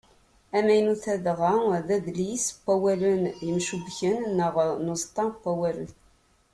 Amaynut-a dɣa, d adlis n wawalen yemcubbken, neɣ n uẓeṭṭa n wawalen.